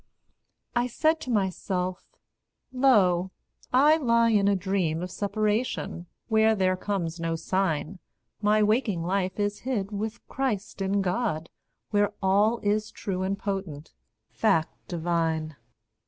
I said to myself, "Lo, I lie in a dream Of separation, where there comes no sign; My waking life is hid with Christ in God, Where all is true and potent fact divine."